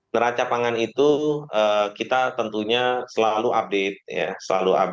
neraca pangan itu kita tentunya selalu update ya selalu update